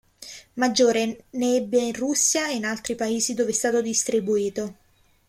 Maggiore ne ebbe in Russia e in altri paesi dove è stato distribuito.